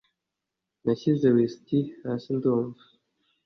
Nashyize whisky hasi ndumva